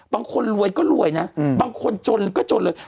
บางคนรวยก็รวยนะบางคนจนก็จนเลย